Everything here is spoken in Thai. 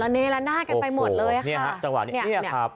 แล้วเนละน่ากันไปหมดเลยค่ะ